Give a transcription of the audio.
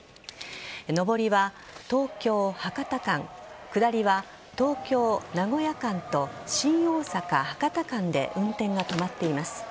上りは、東京博多間下りは東京名古屋間と新大阪博多間で運転が止まっています。